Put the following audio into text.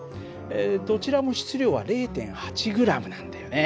どちらも質量は０．８ｇなんだよね。